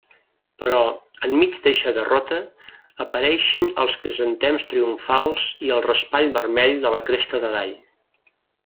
Però, enmig d'eixa derrota, apareixen els crisantems triomfals i el raspall vermell de la cresta de gall.